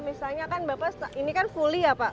misalnya kan bapak ini kan fully ya pak